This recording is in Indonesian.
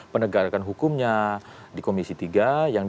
penegakan hukumnya di komisi tiga